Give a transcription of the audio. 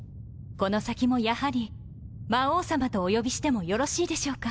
この先もやはり「魔王さま」とお呼びしてもよろしいでしょうか？